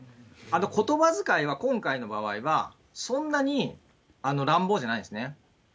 ことばづかいは今回の場合は、そんなに乱暴じゃないんですね。